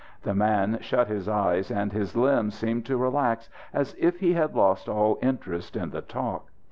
The man shut his eyes, and his limbs seemed to relax as if he had lost all interest in the talk.